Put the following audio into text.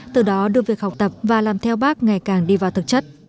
từ đó đưa việc học tập và làm theo bác ngày càng đi vào thực chất